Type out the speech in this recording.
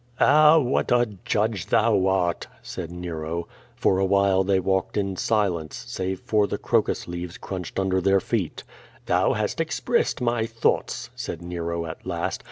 yy "Ah, what a judge thou art," said Xero. For awhile they walked in silence, save for the crocus leaves crunched under their feet. "Thou hast expressed my thoughts," said Xero, at last.